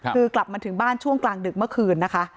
คือกลับมาถึงบ้านช่วงกลางดึกเมื่อคืนนะคะ